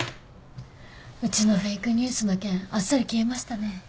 うちのフェイクニュースの件あっさり消えましたね。